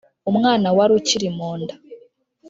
umwana wari ukiri mu nda.